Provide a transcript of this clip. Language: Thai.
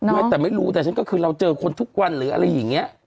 ไม่แต่ไม่รู้แต่ฉันก็คือเราเจอคนทุกวันหรืออะไรอย่างนี้